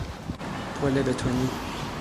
پل بتونی